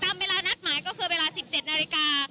เวลานัดหมายก็คือเวลา๑๗นาฬิกา